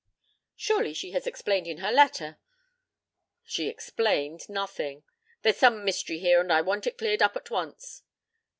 "Surely she explained in her letter." "She explained nothing. There's some mystery here and I want it cleared up at once."